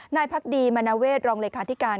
นายพักดีมวรองเลขาธิการ